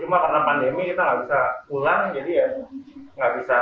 cuma karena pandemi kita nggak bisa pulang jadi ya nggak bisa